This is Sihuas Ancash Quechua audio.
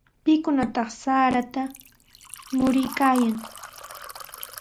¿Pikunataq sarata muruykaayan?